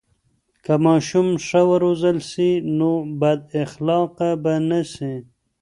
که ماشوم ښه و روزل سي، نو بد اخلاقه به نه سي.